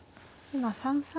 今３三